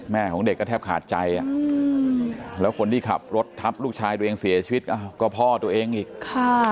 ของเด็กก็แทบขาดใจแล้วคนที่ขับรถทับลูกชายตัวเองเสียชีวิตก็พ่อตัวเองอีกค่ะ